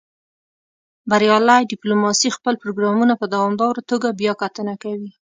بریالۍ ډیپلوماسي خپل پروګرامونه په دوامداره توګه بیاکتنه کوي